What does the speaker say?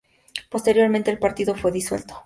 Posteriormente, el partido fue disuelto.